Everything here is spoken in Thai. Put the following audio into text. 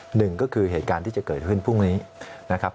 หนึ่งก็คือเหตุการณ์ที่จะเกิดขึ้นพรุ่งนี้นะครับ